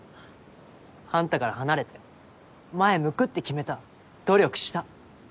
あんたから離れて前向くって決めた努力した。